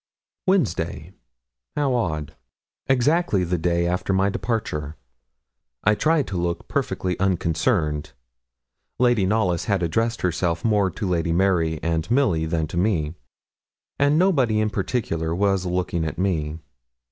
Wednesday! how odd. Exactly the day after my departure. I tried to look perfectly unconcerned. Lady Knollys had addressed herself more to Lady Mary and Milly than to me, and nobody in particular was looking at me.